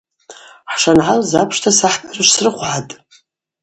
Хӏшангӏалыз апш сахӏбара швсрыхвгӏатӏ.